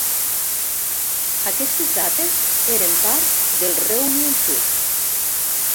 Aquestes dates eren part del Reunion Tour.